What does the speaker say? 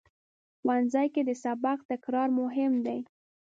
ښوونځی کې د سبق تکرار مهم دی